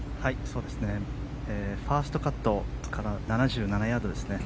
ファーストカットから７７ヤードですね。